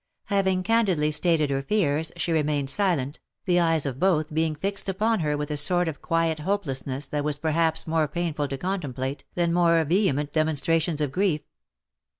Having candidly stated her fears, she remained silent, the eyes of both being fixed upon her with a sort of quiet hopelessness that was perhaps more painful to contemplate than more vehement demonstrations of grief.